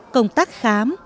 công tác khám